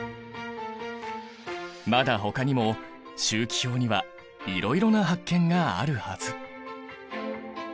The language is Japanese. まだほかにも周期表にはいろいろな発見があるはず！